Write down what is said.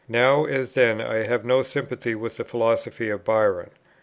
Now, as then, I have no sympathy with the philosophy of Byron.